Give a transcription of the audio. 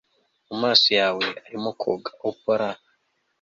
Mumaso yawe arimo koga opal